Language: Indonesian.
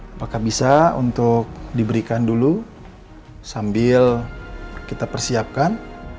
apakah bisa untuk diberikan dulu sambil kita persiapkan